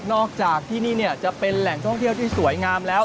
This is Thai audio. อกจากที่นี่จะเป็นแหล่งท่องเที่ยวที่สวยงามแล้ว